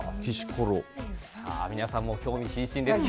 皆さんも興味津々ですが。